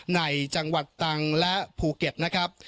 ในจังหวัดตังและภูเก็ตนะครับ